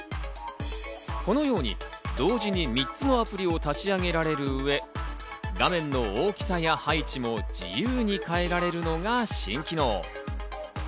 このように同時に３つのアプリを立ち上げられる上、画面の大きさや配置も自由に変えられるのが新機能。